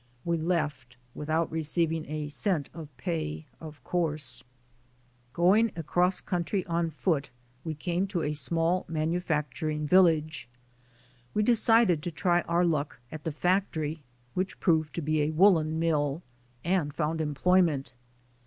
We left, without receiving a cent of pay, of course. IN THE AMERICAN STORM 81 Going across country on foot we came to a small manufacturing village. We decided to try our luck at the factory, which proved to be a woolen mill, and found employment.